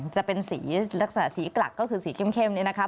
จะเป็นสีลักษณะสีกลักก็คือสีเข้มนี่นะคะ